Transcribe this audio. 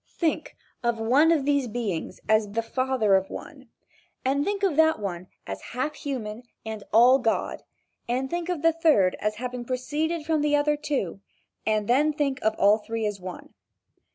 Think of one of these beings as the father of one, and think of that one as half human and all God, and think of the third as having proceeded from the other two, and then think of all three as one.